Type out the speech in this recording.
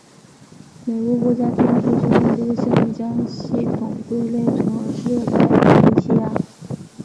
美国国家飓风中心根据这些信息将系统归类成热带低气压。